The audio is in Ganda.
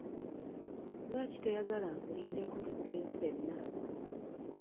Lwaki toyagala nkulindeko tuddeyo ffenna?